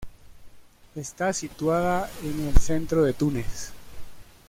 Está situada en el centro de Túnez.